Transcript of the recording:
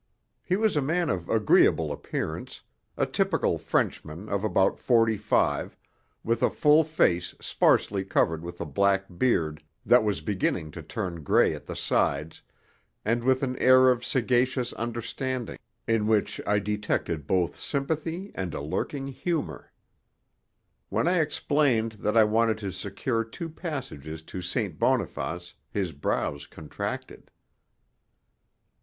He was a man of agreeable appearance, a typical Frenchman of about forty five, with a full face sparsely covered with a black beard that was beginning to turn grey at the sides, and with an air of sagacious understanding, in which I detected both sympathy and a lurking humour. When I explained that I wanted to secure two passages to St. Boniface, his brows contracted.